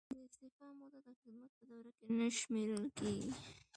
د استعفا موده د خدمت په دوره کې نه شمیرل کیږي.